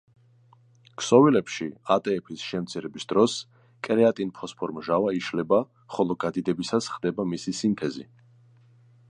ქსოვილებში ატფ-ის შემცირების დროს კრეატინფოსფორმჟავა იშლება, ხოლო გადიდებისას ხდება მისი სინთეზი.